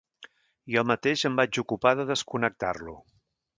Jo mateix em vaig ocupar de desconnectar-lo.